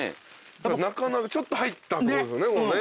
なかなかちょっと入ったとこですよね。